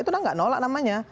itu udah nggak nolak namanya